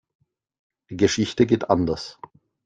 Die Geschichte geht anders.